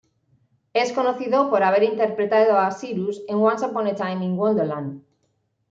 Es conocido por haber interpretado a Cyrus en "Once Upon a Time in Wonderland".